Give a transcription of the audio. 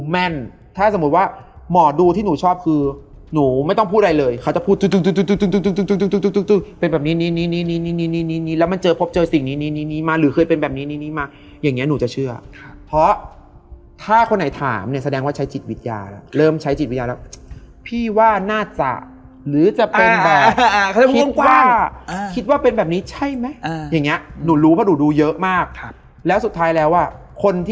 มันมีเพื่อนคนนึงน่าจะมีเซนท์